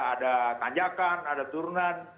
ada tanjakan ada turunan